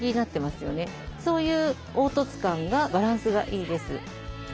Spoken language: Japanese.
そういう凹凸感がバランスがいいです。